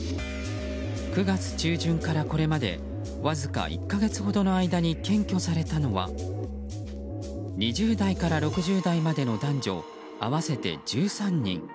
９月中旬からこれまでわずか１か月ほどの間に検挙されたのは２０代から６０代までの男女合わせて１３人。